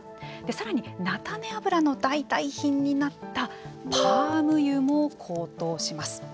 さらに菜種油の代替品になったパーム油も高騰します。